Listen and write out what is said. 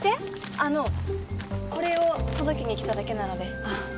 あのこれを届けに来ただけなので